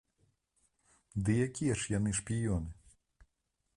Ды якія ж яны шпіёны?